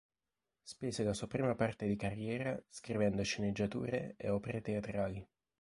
Spese la sua prima parte di carriera scrivendo sceneggiature e opere teatrali.